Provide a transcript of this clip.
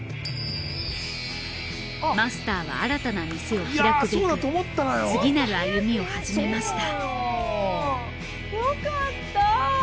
マスターは新たな店を開くべく次なる歩みを始めました。